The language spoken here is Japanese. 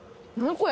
これ！